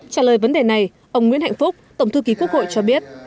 trả lời vấn đề này ông nguyễn hạnh phúc tổng thư ký quốc hội cho biết